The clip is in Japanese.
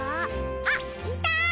あっいた！